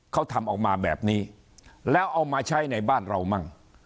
เขาทำออกมาแบบนี้แล้วเอามาใช้ในบ้านเรามั่ง